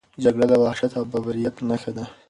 جګړه د وحشت او بربریت نښه ده.